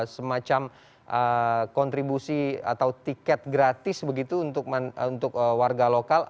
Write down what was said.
semacam kontribusi atau tiket gratis begitu untuk warga lokal